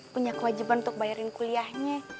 punya kewajiban untuk bayarin kuliahnya